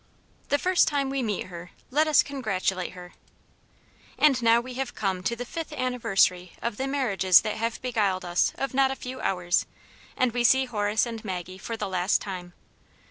The first time we meet her let us congratulate her. And now we have come to the fifth anniversary of the marriages that have beguiled us of not a few hours, and we see Horace and Maggie for the last time.